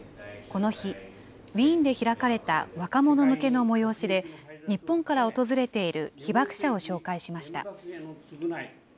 この日、ウィーンで開かれた若者向けの催しで、日本から訪れている被爆者を紹介しました。